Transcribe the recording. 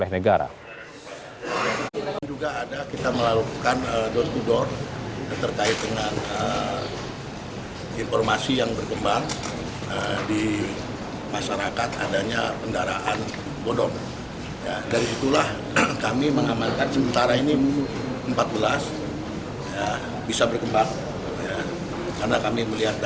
jika tidak bisa menunjukkan bukti fisik surat surat kepemilikan